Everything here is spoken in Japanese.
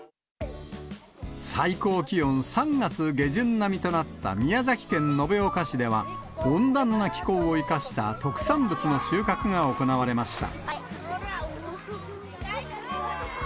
最高気温３月下旬並みとなった宮崎県延岡市では、温暖な気候を生かした特産物の収穫が行われました。